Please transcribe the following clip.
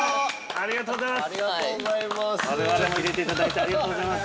ありがとうございます。